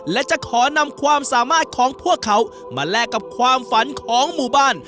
และจะขอนำความสามารถของพวกเขามาแลกกับความฝันของหมู่บ้าน